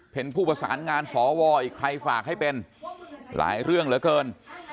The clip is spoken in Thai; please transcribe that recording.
เป็นผู้ประสานงานสวอีกใครฝากให้เป็นหลายเรื่องเหลือเกิน